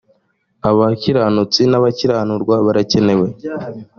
abakiranutsi nabakiranurwa barakenewe.